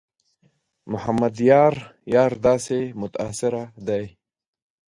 محمد یار یار داسې متاثره دی.